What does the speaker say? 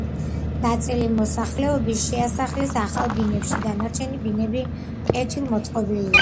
ნაწილი მოსახლეობისა შეასახლეს ახალ ბინებში დანარჩენი ბინები კეთილ მოწყობილია.